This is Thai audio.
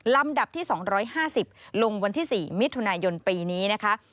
ลำดับที่๒๕๐ลงวันที่๔มิถุนายนปีนี้นะคะ